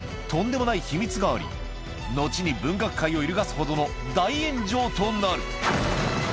しかし、この小説にはとんでもない秘密があり、後に文学界を揺るがすほどの大炎上となる。